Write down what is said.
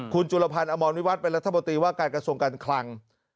คุณจุลพันธ์อมรวิวัตรเป็นรัฐมนตรีว่าการกระทรวงการคลัง